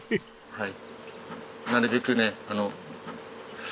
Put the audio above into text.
はい。